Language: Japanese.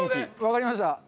わかりました。